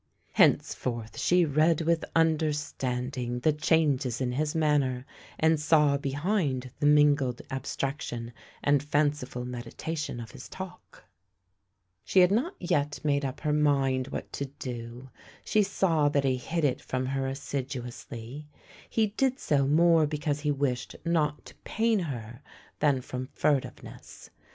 Henceforth she read with under standing the changes in his manner, and saw behind the mingled abstraction and fanciful meditation of his talk. 268 THE LANE THAT HAD NO TURNING She had not yet made up her mind what to do. She saw that he hid it from her assiduously. He did so more because he wished not to pain her than from furtiveness.